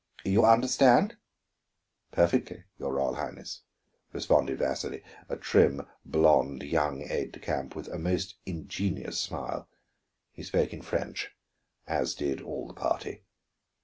You understand?" "Perfectly, your Royal Highness," responded Vasili, a trim, blond young aide de camp with a most ingenuous smile. He spoke in French, as did all the party.